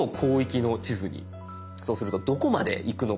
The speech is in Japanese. そうするとどこまでいくのか。